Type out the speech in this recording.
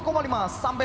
kri sultan iskandar muda